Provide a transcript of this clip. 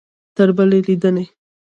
تر بلې لیدنې؟